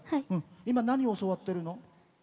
今、何を教わってるの？